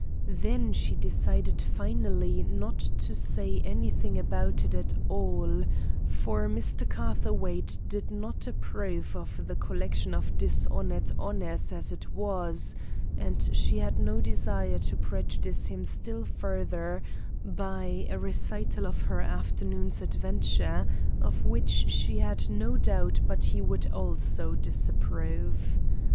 Then she decided finally not to say anything about it at all, for Mr. Catherwaight did not approve of the collection of dishonored honors as it was, and she had no desire to prejudice him still further by a recital of her afternoon's adventure, of which she had no doubt but he would also disapprove.